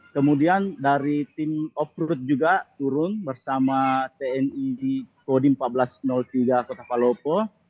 kemudian dari tim off road juga turun bersama tni kodim seribu empat ratus tiga kota palopo